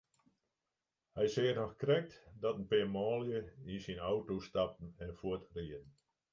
Hy seach noch krekt dat in pear manlju yn syn auto stapten en fuortrieden.